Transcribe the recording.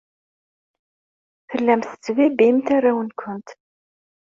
Tellamt tettbibbimt arraw-nwent.